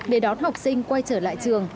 để đón học sinh quay trở lại trường